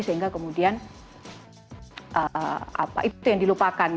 sehingga kemudian itu yang dilupakan